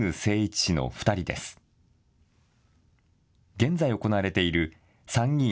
現在行われている参議院